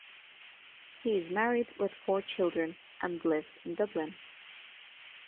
He is married with four children and lives in Dublin.